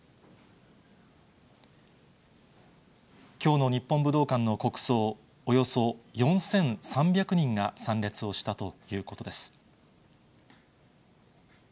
きょうの日本武道館の国葬、およそ４３００人が参列をしたということです。